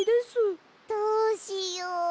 どうしよう。